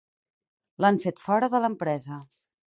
L'han fet fora de l'empresa.